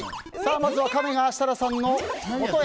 まずはカメが設楽さんのもとへ。